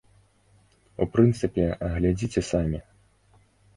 У прынцыпе, глядзіце самі.